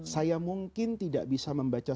saya mungkin tidak bisa membaca